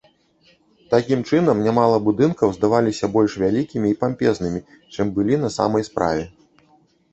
Такім чынам нямала будынкаў здаваліся больш вялікімі і пампезным, чым былі на самай справе.